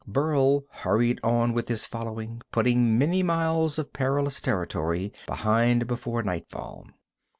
Burl hurried on with his following, putting many miles of perilous territory behind before nightfall.